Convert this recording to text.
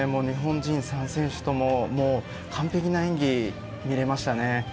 日本人３選手とも完璧な演技見れました。